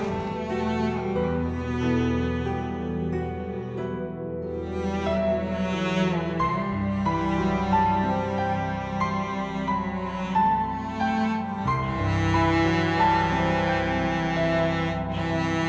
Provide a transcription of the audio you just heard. aku ingin berjalan ke rumahmu